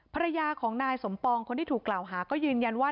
ภรรยาของนายสมปองคนที่ถูกกล่าวหาก็ยืนยันว่า